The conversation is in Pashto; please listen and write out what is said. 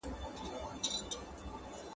چي ورور ئې نه کې، پر سپور بې نه کې.